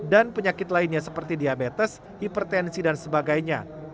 dan penyakit lainnya seperti diabetes hipertensi dan sebagainya